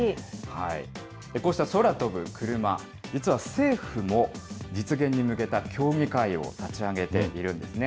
こうした空飛ぶクルマ、実は政府も、実現に向けた協議会を立ち上げているんですね。